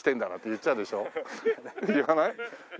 言わない？